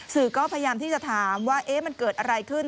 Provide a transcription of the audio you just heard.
สื่อก็พยายามที่จะถามว่ามันเกิดอะไรขึ้น